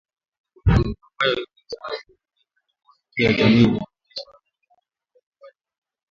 ambayo ina wajibu wa kuongoza juhudi za kuifikia jamii inayoendeshwa na Tume Huru ya Habari ya Liberia